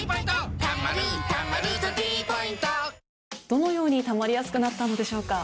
どのようにたまりやすくなったのでしょうか？